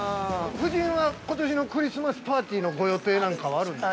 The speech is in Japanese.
◆夫人は、ことしのクリスマスパーティーのご予定なんはあるんですか。